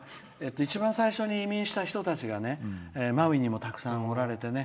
一番最初に移民した人がマウイにたくさんおられてね